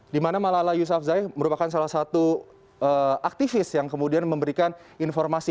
di mana malala yusafzai merupakan salah satu aktivis yang kemudian memberikan informasi